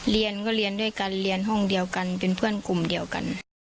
เรียนก็เรียนด้วยกันเรียนห้องเดียวกันเป็นเพื่อนกลุ่มเดียวกัน